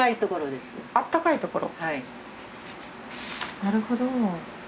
なるほど。